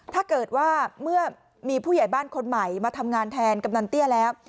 ถ้าเกิดว่าเมื่อมีผู้ใหญ่บ้านคนใหม่มาทำงานแทนกำนันเตี้ยแล้ว